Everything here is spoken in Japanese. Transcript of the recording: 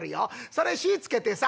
それ火つけてさ